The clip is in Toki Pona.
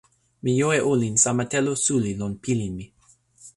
mi jo e olin sama telo suli lon pilin mi.